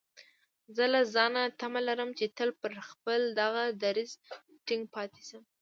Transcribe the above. زه له ځانه تمه لرم چې تل پر خپل دغه دريځ ټينګ پاتې شم.